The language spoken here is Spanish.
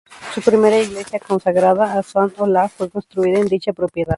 La primera iglesia, consagrada a San Olaf, fue construida en dicha propiedad.